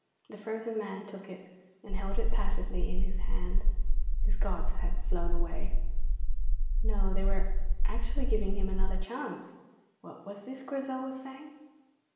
The frozen man took it and held it passively in his hand. His gods had flown away. No, they were actually giving him another chance. What was this Grizel was saying?